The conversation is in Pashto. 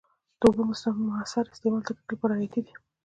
د اوبو موثر استعمال د کښت لپاره حیاتي دی.